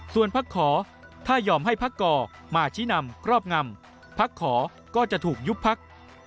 ส่วนพักขอถ้ายอมให้พักก่อมาชี้นำครอบงำพักขอก็จะถูกยุบพัก